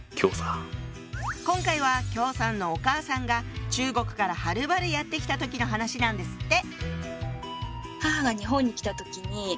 今回は姜さんのお母さんが中国からはるばるやって来た時の話なんですって。